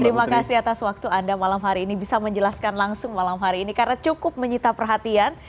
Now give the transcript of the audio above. terima kasih atas waktu anda malam hari ini bisa menjelaskan langsung malam hari ini karena cukup menyita perhatian